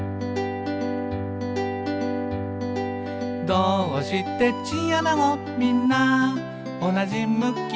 「どーうしてチンアナゴみんなおなじ向き？」